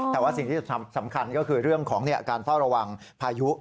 แต่ว่าสิ่งที่สำคัญก็คือเรื่องของการเฝ้าระวังพายุ